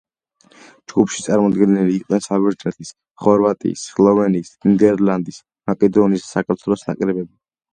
ჯგუფში წარმოდგენილნი იყვნენ საბერძნეთის, ხორვატიის, სლოვენიის, ნიდერლანდის, მაკედონიის და საქართველოს ნაკრებები.